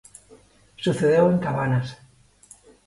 Sucedeu en Cabanas.